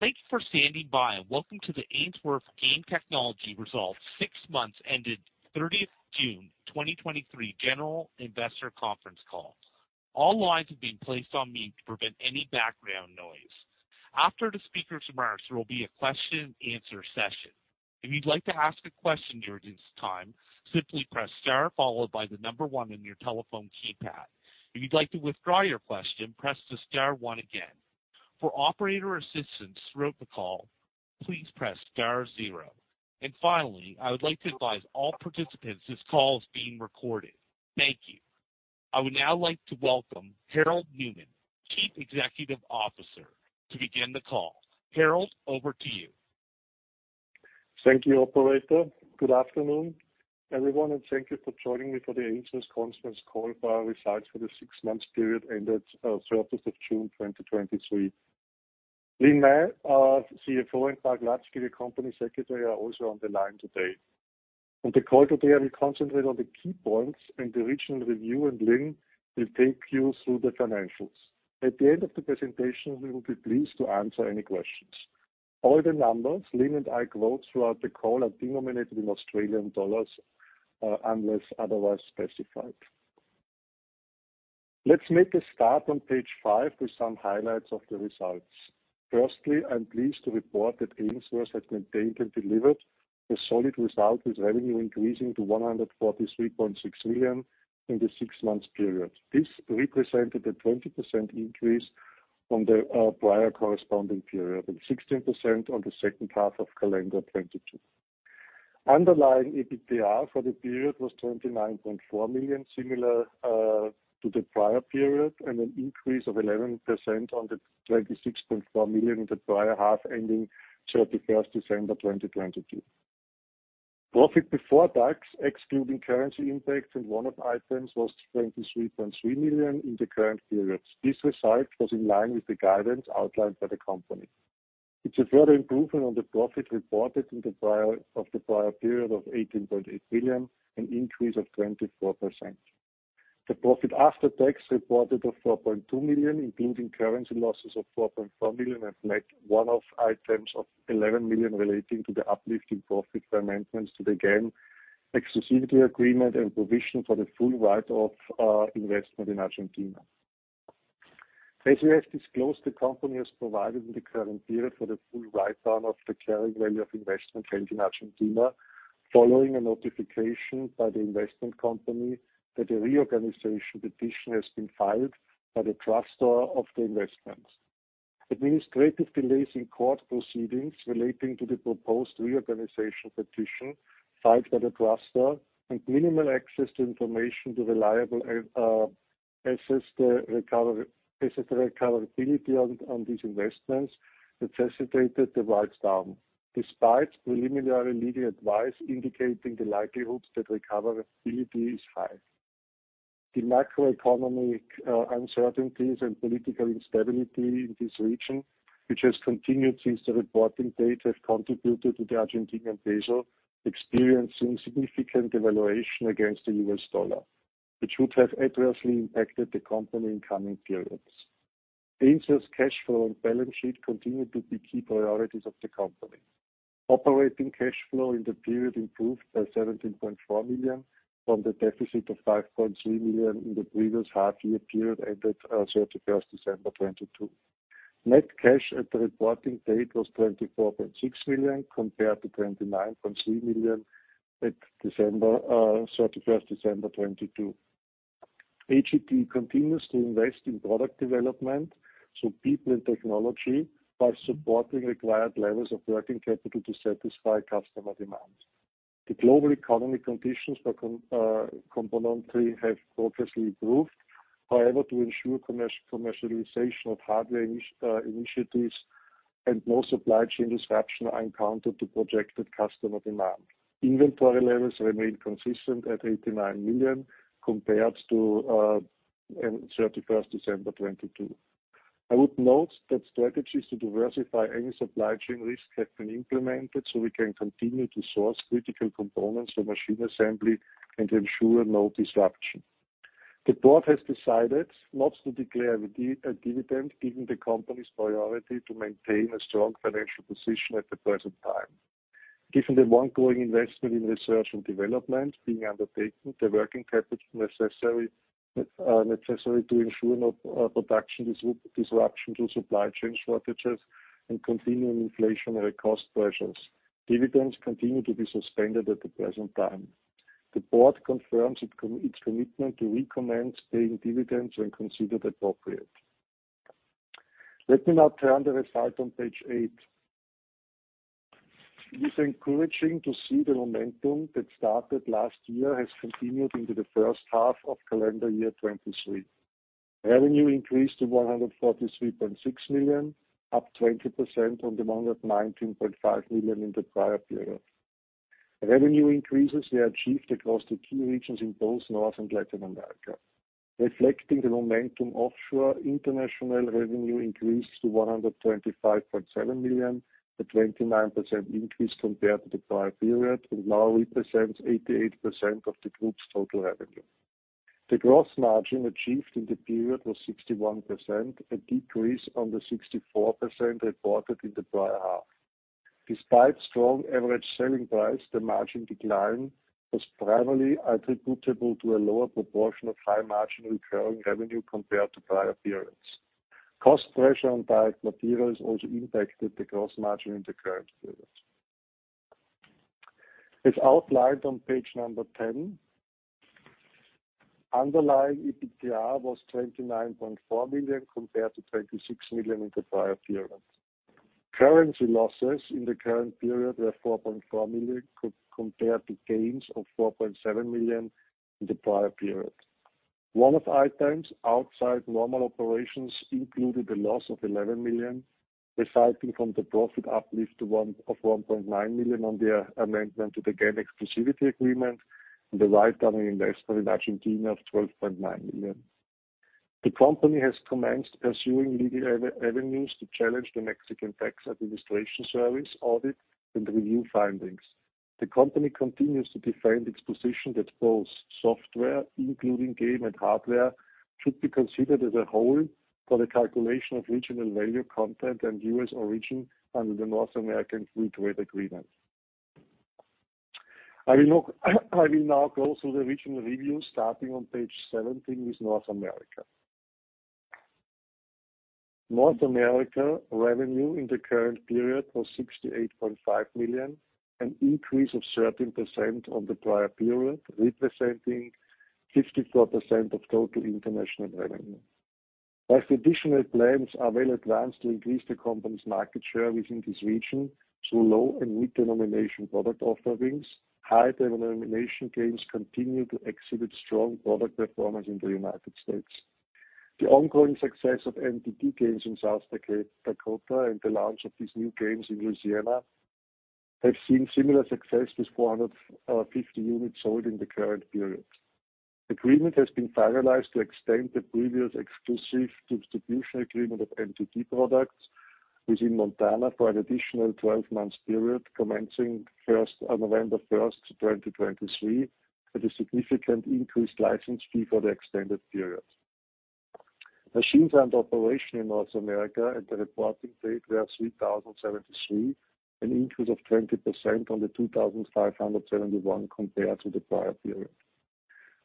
Thank you for standing by, and welcome to the Ainsworth Game Technology results six months ended 30th June 2023 general investor conference call. All lines have been placed on mute to prevent any background noise. After the speaker's remarks, there will be a question and answer session. If you'd like to ask a question during this time, simply press star followed by the number one on your telephone keypad. If you'd like to withdraw your question, press the star one again. For operator assistance throughout the call, please press star zero. And finally, I would like to advise all participants this call is being recorded. Thank you. I would now like to welcome Harald Neumann, Chief Executive Officer, to begin the call. Harald, over to you. Thank you, operator. Good afternoon, everyone, and thank you for joining me for the Ainsworth conference call for our results for the six-month period ended 31st of June 2023. Lynn Mah, our CFO, and Mark Ludski, the Company Secretary, are also on the line today. On the call today, I will concentrate on the key points and the regional review, and Lynn will take you through the financials. At the end of the presentation, we will be pleased to answer any questions. All the numbers Lynn and I quote throughout the call are denominated in Australian dollars, unless otherwise specified. Let's make a start on page five with some highlights of the results. Firstly, I'm pleased to report that Ainsworth has maintained and delivered a solid result, with revenue increasing to 143.6 million in the six months period. This represented a 20% increase from the prior corresponding period, and 16% on the second half of calendar 2022. Underlying EBITDA for the period was 29.4 million, similar to the prior period, and an increase of 11% on the 26.4 million in the prior half, ending 31st December 2022. Profit before tax, excluding currency impacts and one-off items, was 23.3 million in the current period. This result was in line with the guidance outlined by the company. It's a further improvement on the profit reported in the prior period of 18.8 billion, an increase of 24%. The profit after tax reported of 4.2 million, including currency losses of 4.4 million, and net one-off items of 11 million relating to the uplift in profit by amendments to the game exclusivity agreement and provision for the full write-off, investment in Argentina. As we have disclosed, the company has provided in the current period for the full write-down of the carrying value of investment held in Argentina. Following a notification by the investment company that a reorganization petition has been filed by the trustor of the investment. Administrative delays in court proceedings relating to the proposed reorganization petition filed by the trustor and minimal access to information to reliably assess the recoverability of these investments necessitated the write-down, despite preliminary legal advice indicating the likelihood that recoverability is high. The macroeconomic uncertainties and political instability in this region, which has continued since the reporting date, have contributed to the Argentine peso experiencing significant devaluation against the U.S. dollar, which would have adversely impacted the company in coming periods. Ainsworth cash flow and balance sheet continue to be key priorities of the company. Operating cash flow in the period improved by 17.4 million from the deficit of 5.3 million in the previous half year period ended 31st December 2022. Net cash at the reporting date was 24.6 million, compared to 29.3 million at 31st December 2022. AGT continues to invest in product development, so people and technology, while supporting required levels of working capital to satisfy customer demands. The global economic conditions for componentry have progressively improved. However, to ensure commercialization of hardware initiatives and more supply chain disruption are encountered to projected customer demand. Inventory levels remain consistent at 89 million, compared to 31st December 2022. I would note that strategies to diversify any supply chain risk have been implemented, so we can continue to source critical components for machine assembly and ensure no disruption. The board has decided not to declare a dividend, given the company's priority to maintain a strong financial position at the present time. Given the ongoing investment in research and development being undertaken, the working capital necessary to ensure no production disruption to supply chain shortages and continuing inflationary cost pressures, dividends continue to be suspended at the present time. The board confirms its commitment to recommend paying dividends when considered appropriate. Let me now turn to the results on page eight. It is encouraging to see the momentum that started last year has continued into the first half of calendar year 2023. Revenue increased to 143.6 million, up 20% on the 119.5 million in the prior period. Revenue increases were achieved across the key regions in both North and Latin America. Reflecting the momentum offshore, international revenue increased to 125.7 million, a 29% increase compared to the prior period, and now represents 88% of the group's total revenue.... The gross margin achieved in the period was 61%, a decrease on the 64% reported in the prior half. Despite strong average selling price, the margin decline was primarily attributable to a lower proportion of high marginal recurring revenue compared to prior periods. Cost pressure on direct materials also impacted the gross margin in the current period. As outlined on page 10, underlying EBITDA was 29.4 million, compared to 26 million in the prior period. Currency losses in the current period were 4.4 million, compared to gains of 4.7 million in the prior period. One-off items outside normal operations included a loss of 11 million, resulting from the profit uplift of 1.9 million on the amendment to the game exclusivity agreement and the write-down in investment in Argentina of 12.9 million. The company has commenced pursuing legal avenues to challenge the Mexican Tax Administration Service audit and review findings. The company continues to defend its position that both software, including game and hardware, should be considered as a whole for the calculation of regional value, content, and U.S. origin under the North American Free Trade Agreement. I will now go through the regional review, starting on page 17 with North America. North America revenue in the current period was 68.5 million, an increase of 13% on the prior period, representing 54% of total international revenue. As traditional plans are well advanced to increase the company's market share within this region through low and mid-denomination product offerings, high denomination games continue to exhibit strong product performance in the United States. The ongoing success of MTD games in South Dakota, and the launch of these new games in Louisiana, have seen similar success, with 450 units sold in the current period. Agreement has been finalized to extend the previous exclusive distribution agreement of MTD products within Montana for an additional 12 months period, commencing first on November 1st, 2023, at a significant increased license fee for the extended period. Machines under operation in North America at the reporting date were 3,073, an increase of 20% on the 2,571 compared to the prior period.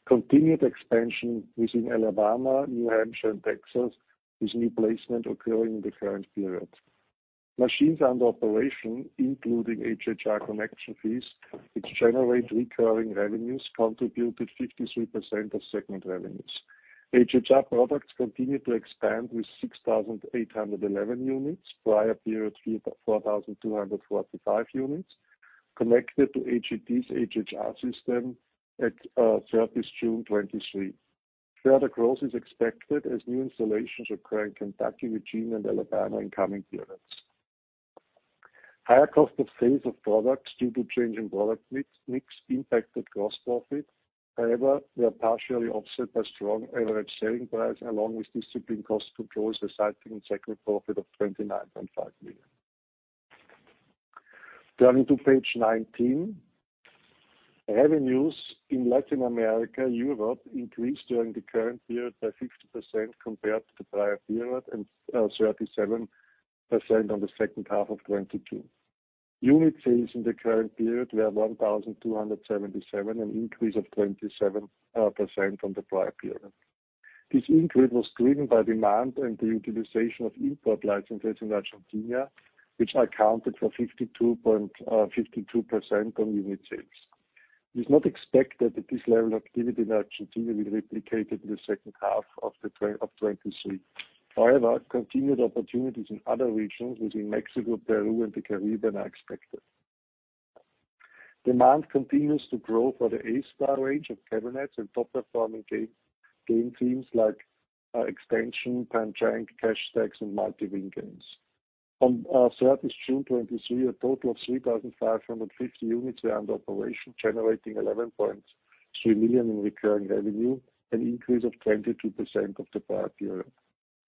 Continued expansion within Alabama, New Hampshire, and Texas, with new placement occurring in the current period. Machines under operation, including HHR connection fees, which generate recurring revenues, contributed 53% of segment revenues. HHR products continue to expand with 6,811 units, prior period 3,425 units, connected to AGT's HHR system as of June 2023. Further growth is expected as new installations occur in Kentucky, Virginia, and Alabama in coming periods. Higher cost of sales of products due to changing product mix, mix impacted gross profit. However, we are partially offset by strong average selling price, along with disciplined cost controls, resulting in segment profit of 29.5 million. Turning to page 19. Revenues in Latin America, Europe increased during the current year by 50% compared to the prior period, and 37% on the second half of 2022. Unit sales in the current period were 1,277, an increase of 27% from the prior period. This increase was driven by demand and the utilization of import licenses in Argentina, which accounted for 52.52% on unit sales. It is not expected that this level of activity in Argentina will be replicated in the second half of 2023. However, continued opportunities in other regions within Mexico, Peru, and the Caribbean are expected. Demand continues to grow for the A-Star range of cabinets and top-performing game themes like Xtension, Pan Chang, Cash Stacks, and Multi-Win games. As of June 2023, a total of 3,550 units were under operation, generating $11.3 million in recurring revenue, an increase of 22% of the prior period.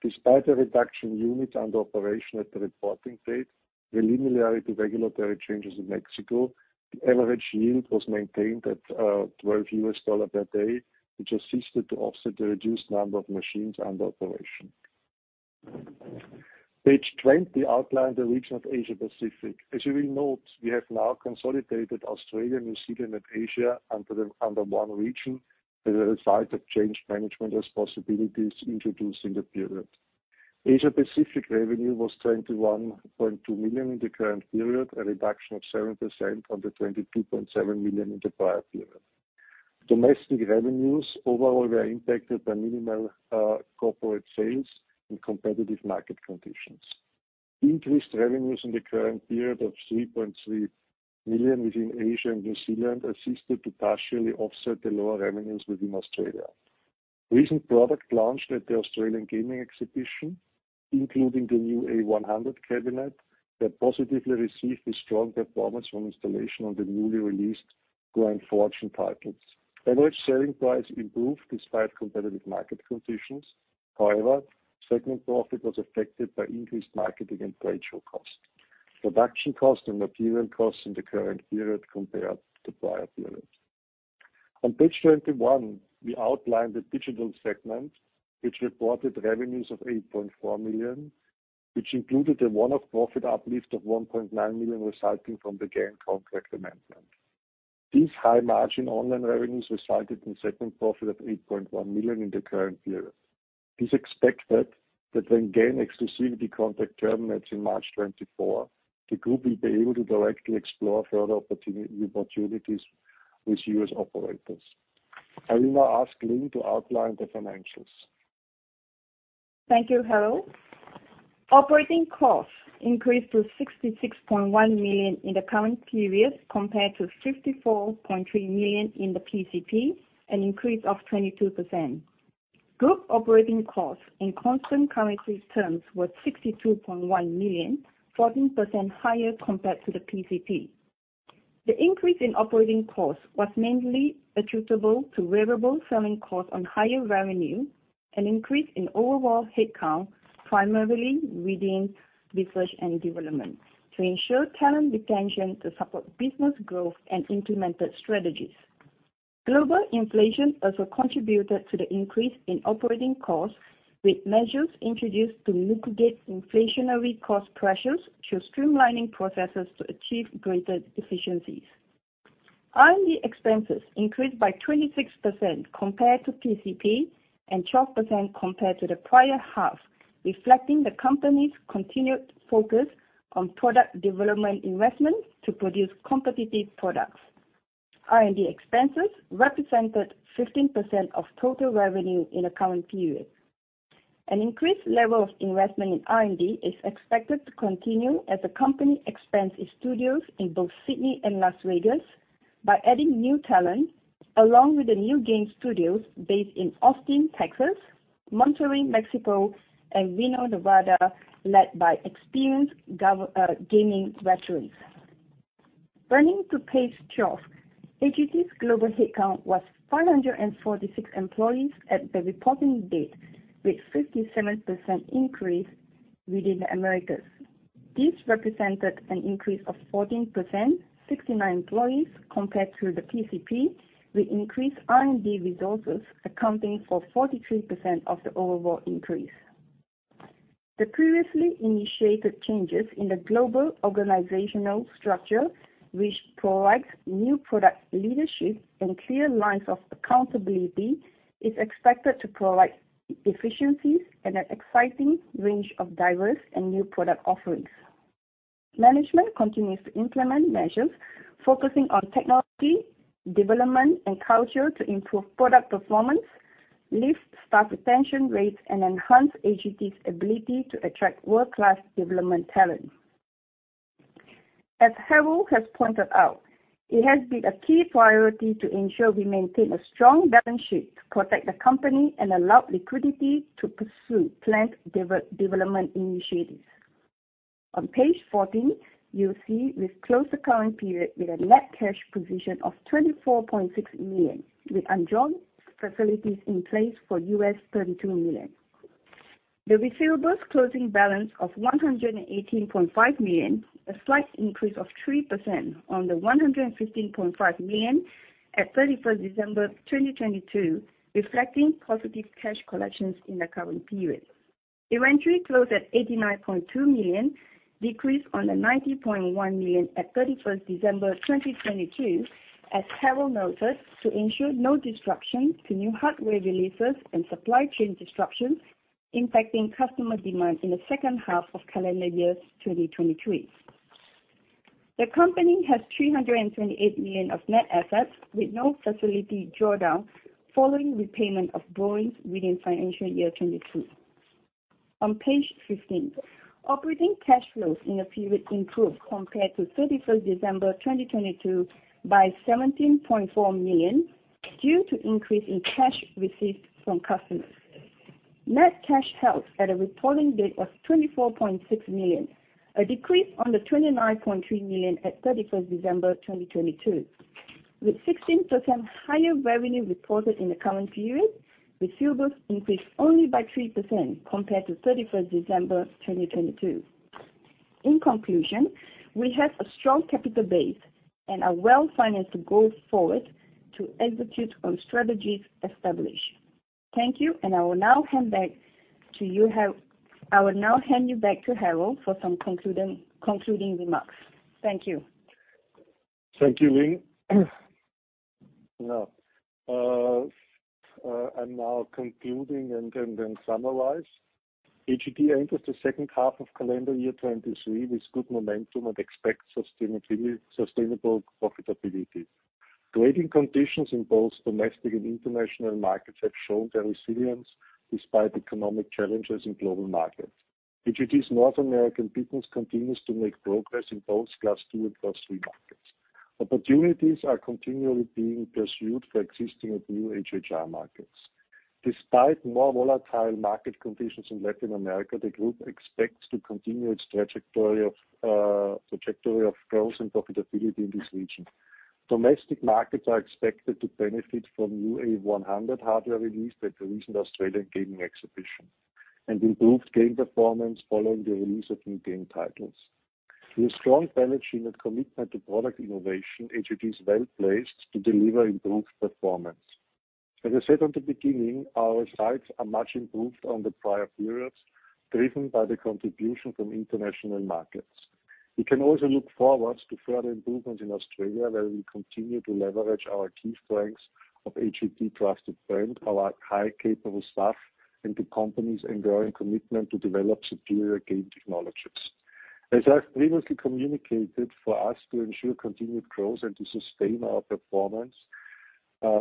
Despite a reduction in units under operation at the reporting date due to similar regulatory changes in Mexico, the average yield was maintained at $12 per day, which assisted to offset the reduced number of machines under operation. Page 20 outlines the region of Asia Pacific. As you will note, we have now consolidated Australia, New Zealand, and Asia under the, under one region as a result of change management responsibilities introduced in the period. Asia Pacific revenue was 21.2 million in the current period, a reduction of 7% on the 22.7 million in the prior period. Domestic revenues overall were impacted by minimal corporate sales in competitive market conditions. Increased revenues in the current period of 3.3 million within Asia and New Zealand assisted to partially offset the lower revenues within Australia. Recent product launch at the Australian Gaming Exhibition, including the new A-100 cabinet, that positively received a strong performance from installation on the newly released Grand Fortune titles. Average selling price improved despite competitive market conditions. However, segment profit was affected by increased marketing and trade show costs. Production costs and material costs in the current period compared to prior periods. On page 21, we outlined the digital segment, which reported revenues of 8.4 million, which included a one-off profit uplift of 1.9 million, resulting from the game contract amendment. These high-margin online revenues resulted in segment profit of 8.1 million in the current period. It is expected that when game exclusivity contract terminates in March 2024, the group will be able to directly explore further opportunities with U.S. operators. I will now ask Lynn to outline the financials. Thank you, Harald. Operating costs increased to 66.1 million in the current period, compared to 54.3 million in the PCP, an increase of 22%. Group operating costs in constant currency terms were 62.1 million, 14% higher compared to the PCP. The increase in operating costs was mainly attributable to variable selling costs on higher revenue, an increase in overall headcount, primarily within research and development, to ensure talent retention, to support business growth and implemented strategies. Global inflation also contributed to the increase in operating costs, with measures introduced to mitigate inflationary cost pressures through streamlining processes to achieve greater efficiencies. R&D expenses increased by 26% compared to PCP and 12% compared to the prior half, reflecting the company's continued focus on product development investments to produce competitive products. R&D expenses represented 15% of total revenue in the current period. An increased level of investment in R&D is expected to continue as the company expands its studios in both Sydney and Las Vegas by adding new talent, along with the new game studios based in Austin, Texas, Monterrey, Mexico, and Reno, Nevada, led by experienced gaming veterans. Turning to page 12, AGT's global headcount was 546 employees at the reporting date, with 57% increase within the Americas. This represented an increase of 14%, 69 employees, compared to the PCP, with increased R&D resources accounting for 43% of the overall increase. The previously initiated changes in the global organizational structure, which provides new product leadership and clear lines of accountability, is expected to provide efficiencies and an exciting range of diverse and new product offerings. Management continues to implement measures focusing on technology, development, and culture to improve product performance, lift staff retention rates, and enhance AGT's ability to attract world-class development talent. As Harald has pointed out, it has been a key priority to ensure we maintain a strong balance sheet to protect the company and allow liquidity to pursue planned development initiatives. On page 14, you'll see we've closed the current period with a net cash position of 24.6 million, with undrawn facilities in place for $32 million. The receivables closing balance of 118.5 million, a slight increase of 3% on the 115.5 million at 31st December 2022, reflecting positive cash collections in the current period. Inventory closed at 89.2 million, a decrease on the 90.1 million at 31st December 2022, as Harald noted, to ensure no disruption to new hardware releases and supply chain disruptions impacting customer demand in the second half of calendar year 2023. The company has 328 million of net assets with no facility drawdown following repayment of borrowings within financial year 2022. On page 15, operating cash flows in the period improved compared to 31st December 2022 by 17.4 million, due to increase in cash received from customers. Net cash held at a reporting date of 24.6 million, a decrease on the 29.3 million at 31st December 2022. With 16% higher revenue reported in the current period, receivables increased only by 3% compared to 31st December 2022. In conclusion, we have a strong capital base and are well-financed to go forward to execute on strategies established. Thank you, and I will now hand back to you. I will now hand you back to Harald for some concluding remarks. Thank you. Thank you, Lynn. Now, I'm now concluding and can then summarize. AGT enters the second half of calendar year 2023 with good momentum and expects sustainable profitability. Trading conditions in both domestic and international markets have shown their resilience despite economic challenges in global markets. AGT's North American business continues to make progress in both Class Two and Class Three markets. Opportunities are continually being pursued for existing and new HHR markets. Despite more volatile market conditions in Latin America, the group expects to continue its trajectory of growth and profitability in this region. Domestic markets are expected to benefit from new A-100 hardware release at the recent Australian Gaming Exhibition, and improved game performance following the release of new game titles. With strong balancing and commitment to product innovation, AGT is well-placed to deliver improved performance. As I said on the beginning, our sites are much improved on the prior periods, driven by the contribution from international markets. We can also look forward to further improvements in Australia, where we continue to leverage our key strengths of AGT trusted brand, our high capable staff, and the company's enduring commitment to develop superior game technologies. As I've previously communicated, for us to ensure continued growth and to sustain our performance,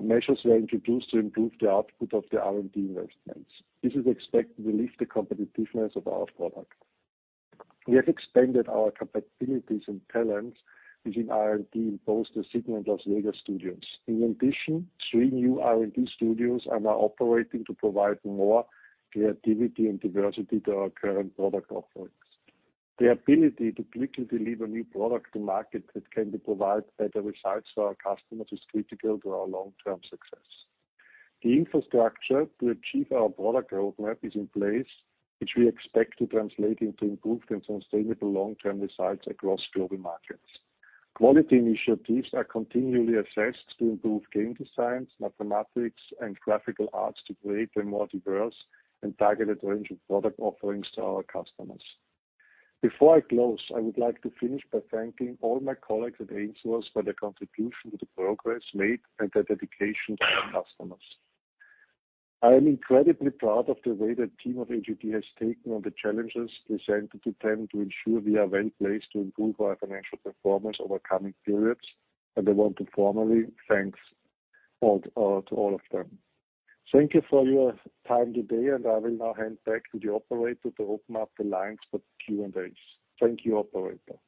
measures were introduced to improve the output of the R&D investments. This is expected to release the competitiveness of our product. We have expanded our capabilities and talents within R&D in both the Sydney and Las Vegas studios. In addition, three new R&D studios are now operating to provide more creativity and diversity to our current product offerings. The ability to quickly deliver new product to market that can provide better results for our customers is critical to our long-term success. The infrastructure to achieve our product roadmap is in place, which we expect to translate into improved and sustainable long-term results across global markets. Quality initiatives are continually assessed to improve game design, mathematics, and graphical arts, to create a more diverse and targeted range of product offerings to our customers. Before I close, I would like to finish by thanking all my colleagues at Ainsworth for their contribution to the progress made and their dedication to our customers. I am incredibly proud of the way the team of AGT has taken on the challenges presented to them to ensure we are well placed to improve our financial performance over coming periods, and I want to formally thanks all, to all of them. Thank you for your time today, and I will now hand back to the operator to open up the lines for Q&As. Thank you, operator.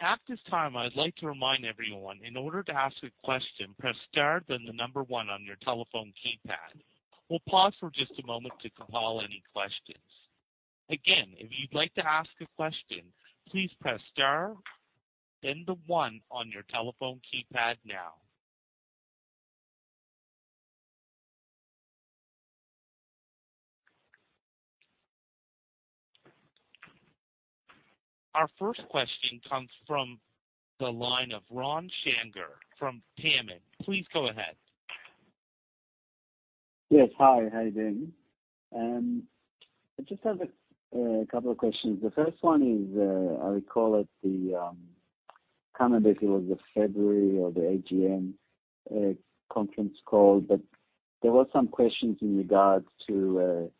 At this time, I'd like to remind everyone, in order to ask a question, press star, then the number one on your telephone keypad. We'll pause for just a moment to compile any questions. Again, if you'd like to ask a question, please press star, then the one on your telephone keypad now. Our first question comes from the line of Ron Shamgar from TAMIM. Please go ahead. Yes. Hi. How are you doing? I just have a couple of questions. The first one is, I recall at the, kind of, if it was the February or the AGM, conference call, but there were some questions in regards to,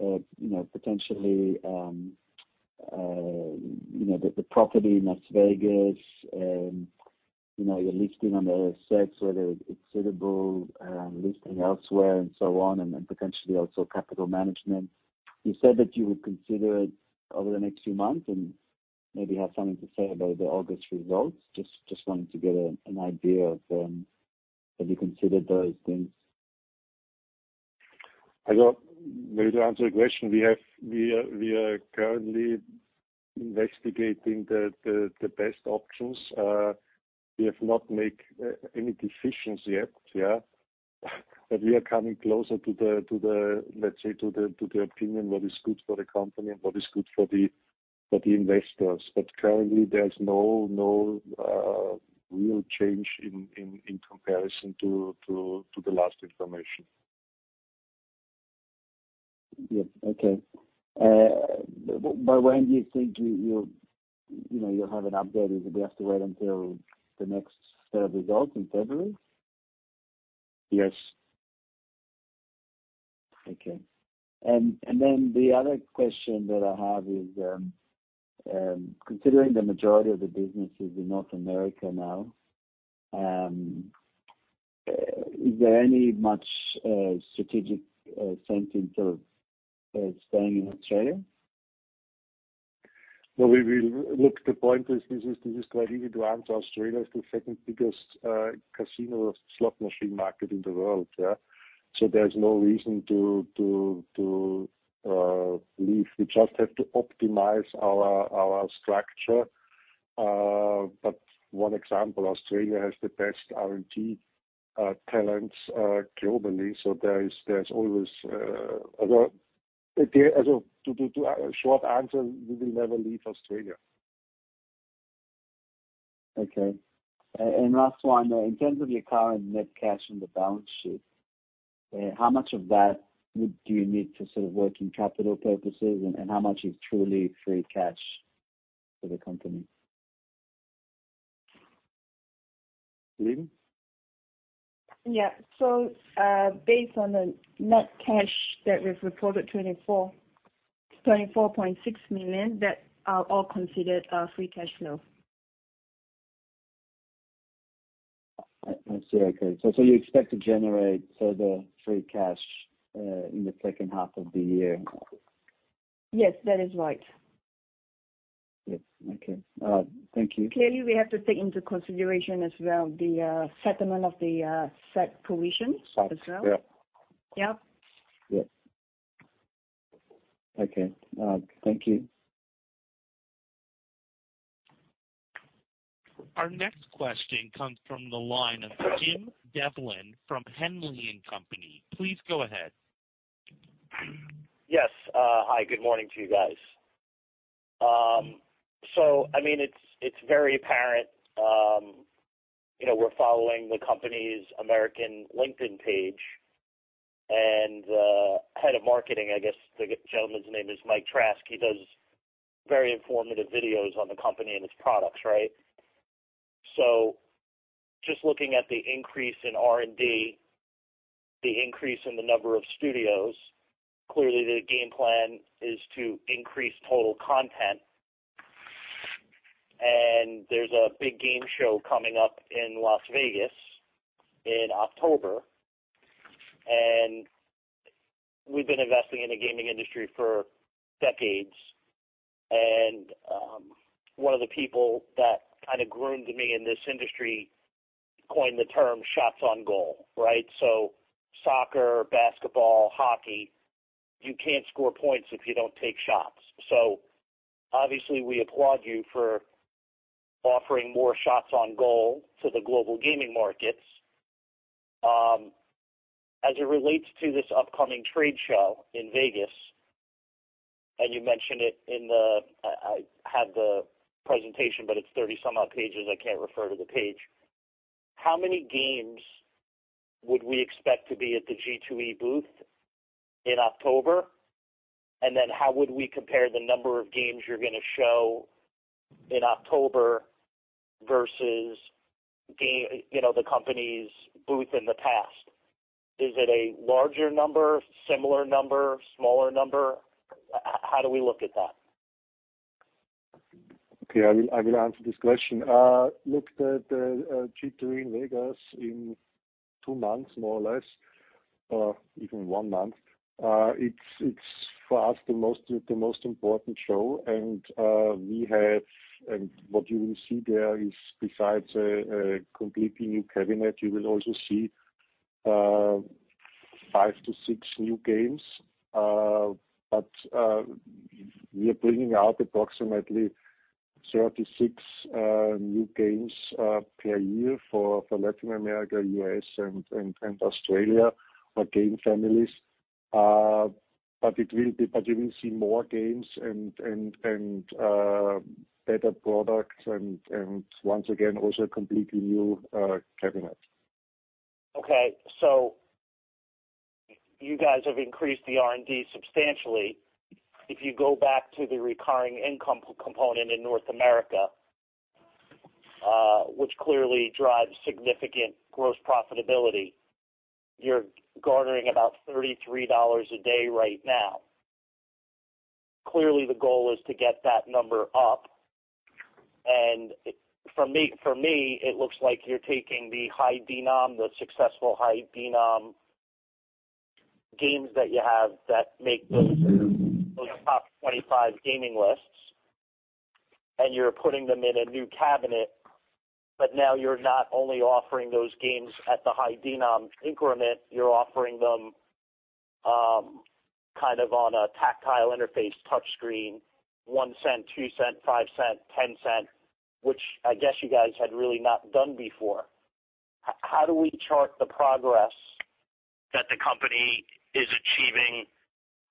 you know, potentially, you know, the, the property in Las Vegas, you know, you're listing on the ASX, whether it's suitable, listing elsewhere and so on, and potentially also capital management. You said that you would consider it over the next few months and maybe have something to say about the August results. Just wanted to get an idea of, have you considered those things? Well, to answer your question, we are currently investigating the best options. We have not make any decisions yet, yeah? But we are coming closer to the, let's say, to the opinion what is good for the company and what is good for the investors. But currently there's no real change in comparison to the last information. Yes. Okay. By when do you think, you know, you'll have an update, or do we have to wait until the next set of results in February? Yes. Okay. And then the other question that I have is, considering the majority of the business is in North America now, is there any much strategic sentiment of staying in Australia? Well, the point is, this is quite easy to answer. Australia is the second biggest casino slot machine market in the world, yeah. So there's no reason to leave. We just have to optimize our structure. But one example, Australia has the best R&D talents globally, so there's always... Well, again, to a short answer, we will never leave Australia. Okay. And, and last one, in terms of your current net cash on the balance sheet, how much of that would do you need for sort of working capital purposes, and, and how much is truly free cash for the company? Lynn? Yeah. So, based on the net cash that we've reported, 24.6 million, that are all considered free cash flow. I see. Okay. So you expect to generate further free cash in the second half of the year? Yes, that is right. Yes. Okay. Thank you. Clearly, we have to take into consideration as well the settlement of the set provisions as well. Yeah. Yeah. Yeah... Okay. Thank you. Our next question comes from the line of Jim Devlin from Henley & Company. Please go ahead. Yes. Hi, good morning to you guys. So, I mean, it's very apparent, you know, we're following the company's American LinkedIn page, and head of marketing, I guess, the gentleman's name is Mike Trask. He does very informative videos on the company and its products, right? So just looking at the increase in R&D, the increase in the number of studios, clearly the game plan is to increase total content. And there's a big game show coming up in Las Vegas in October, and we've been investing in the gaming industry for decades. And one of the people that kind of groomed me in this industry coined the term, shots on goal, right? So soccer, basketball, hockey, you can't score points if you don't take shots. So obviously, we applaud you for offering more shots on goal to the global gaming markets. As it relates to this upcoming trade show in Vegas, and you mentioned it in the—I have the presentation, but it's 30-some-odd pages, I can't refer to the page. How many games would we expect to be at the G2E booth in October? And then how would we compare the number of games you're gonna show in October versus game, you know, the company's booth in the past? Is it a larger number, similar number, smaller number? How do we look at that? Okay, I will answer this question. Look, the G2E in Vegas in two months, more or less, even one month, it's for us the most important show. And what you will see there is, besides a completely new cabinet, you will also see five to six new games. But we are bringing out approximately 36 new games per year for Latin America, US, and Australia, or game families. But you will see more games and better products and once again, also a completely new cabinet. Okay, so you guys have increased the R&D substantially. If you go back to the recurring income component in North America, which clearly drives significant gross profitability, you're garnering about $33 a day right now. Clearly, the goal is to get that number up, and for me, it looks like you're taking the high-denom, the successful high-denom games that you have that make those top 25 gaming lists, and you're putting them in a new cabinet. But now you're not only offering those games at the high-denom increment, you're offering them kind of on a tactile interface, touchscreen, $0.01, $0.02, $0.05, $0.10, which I guess you guys had really not done before. How do we chart the progress that the company is achieving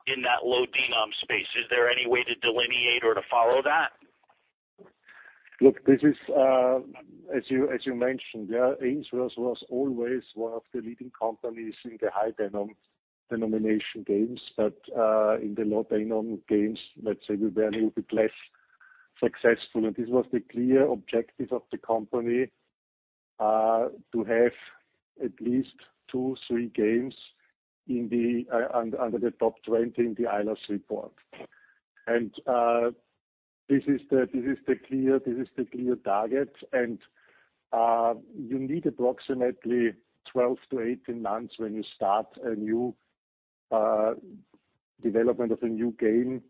in that low-denom space? Is there any way to delineate or to follow that? Look, this is, as you, as you mentioned, yeah, Ainsworth was always one of the leading companies in the high-denomination games, but, in the low-denomination games, let's say we were a little bit less successful. This was the clear objective of the company, to have at least two to three games in the, under the top 20 in the Eilers Report. This is the clear target, and, you need approximately 12-18 months when you start a new, development of a new game.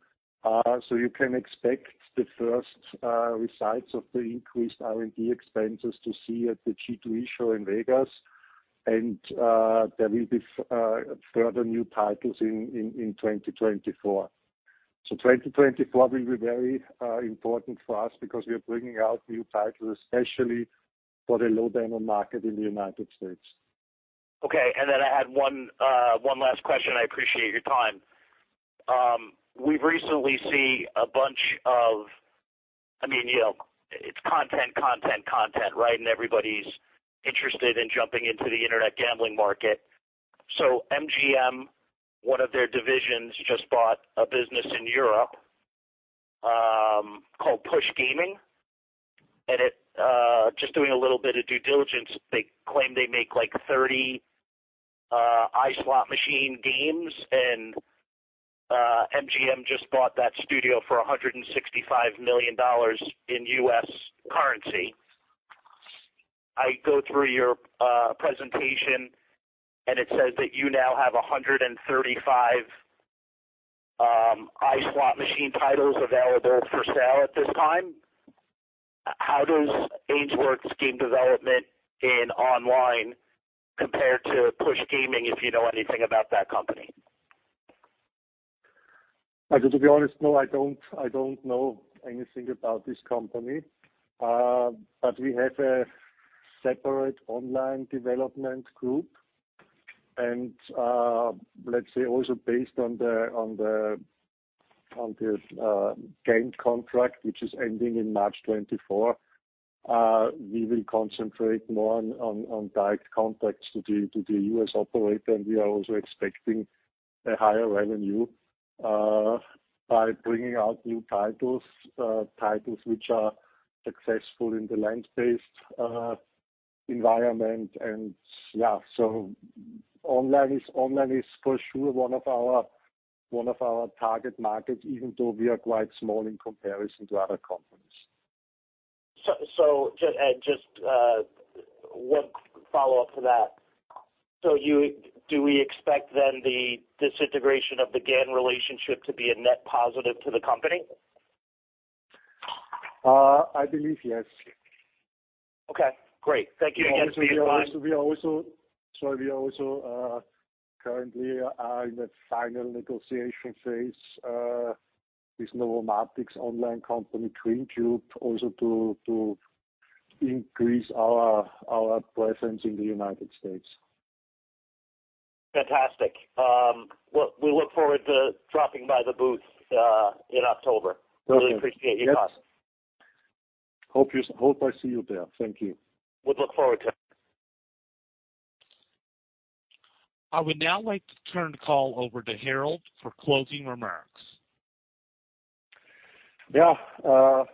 So you can expect the first, results of the increased R&D expenses to see at the G2E show in Las Vegas. There will be, further new titles in 2024. 2024 will be very important for us because we are bringing out new titles, especially for the low-denom market in the United States. Okay, and then I had one last question. I appreciate your time. We've recently seen a bunch of... I mean, you know, it's content, content, content, right? And everybody's interested in jumping into the internet gambling market. So MGM, one of their divisions, just bought a business in Europe, called Push Gaming. And it, just doing a little bit of due diligence, they claim they make like 30 iSlot machine games, and MGM just bought that studio for $165 million in US currency. I go through your presentation, and it says that you now have 135 iSlot machine titles available for sale at this time? Scheme development in online compared to Push Gaming, if you know anything about that company? I just, to be honest, no, I don't, I don't know anything about this company. But we have a separate online development group. Let's say also based on the game contract, which is ending in March 2024, we will concentrate more on direct contacts to the U.S. operator. And we are also expecting a higher revenue by bringing out new titles, titles which are successful in the land-based environment. Yeah, so online is for sure one of our target markets, even though we are quite small in comparison to other companies. So just one follow-up to that. So you-- do we expect then the disintegration of the GAN relationship to be a net positive to the company? I believe, yes. Okay, great. Thank you again for your time. We are also currently in the final negotiation phase with Novomatic's online company, Greentube, to increase our presence in the United States. Fantastic. Well, we look forward to dropping by the booth in October. Okay. Really appreciate your time. Hope I see you there. Thank you. We look forward to it. I would now like to turn the call over to Harald for closing remarks. Yeah, the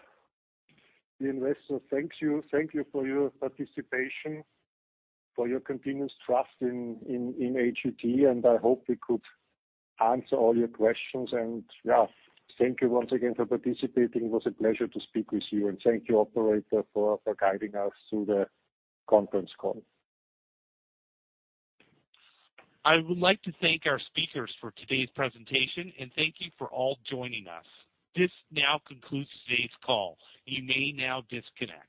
investor, thank you. Thank you for your participation, for your continuous trust in AGT, and I hope we could answer all your questions. Yeah, thank you once again for participating. It was a pleasure to speak with you, and thank you, operator, for guiding us through the conference call. I would like to thank our speakers for today's presentation, and thank you for all joining us. This now concludes today's call. You may now disconnect.